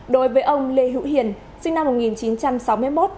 đối với ông lê hữu hiền sinh năm một nghìn chín trăm sáu mươi một